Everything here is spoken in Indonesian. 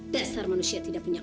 dasar manusia tidak punya